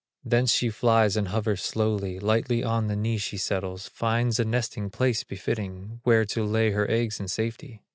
Thence she flies and hovers slowly, Lightly on the knee she settles, Finds a nesting place befitting, Where to lay her eggs in safety.